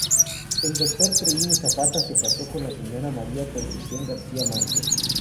El Dr. Treviño Zapata se casó con la Señora María Concepción García Manso.